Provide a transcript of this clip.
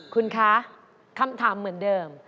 คุณคะคำถามเหมือนเดิม